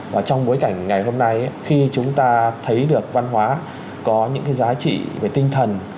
và trong bối cảnh ngày hôm nay khi chúng ta thấy được văn hóa có những cái giá trị về tinh thần